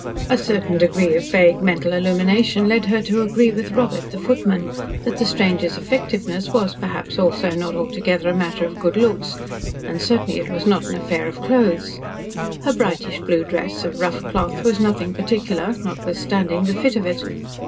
A certain degree of vague mental illumination led her to agree with Robert, the footman, that the stranger's effectiveness was, perhaps, also, not altogether a matter of good looks, and certainly it was not an affair of clothes. Her brightish blue dress, of rough cloth, was nothing particular, notwithstanding the fit of it.